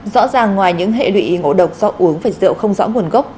rõ ràng ngoài những hệ lụy ngộ độc do uống về rượu không rõ nguồn gốc